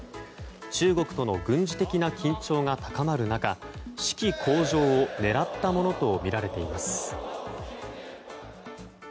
中国との軍事的な緊張が高まる中士気向上を狙ったものとみられています。